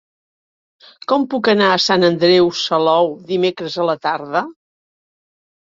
Com puc anar a Sant Andreu Salou dimecres a la tarda?